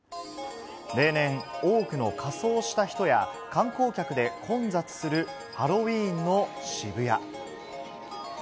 例年、多くの仮装した人や、観光客で混雑するハロウィーンの渋谷。